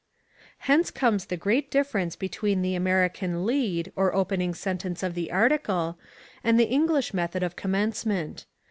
Hence comes the great difference between the American "lead" or opening sentence of the article, and the English method of commencement.